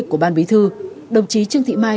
của ban bí thư đồng chí trương thị mai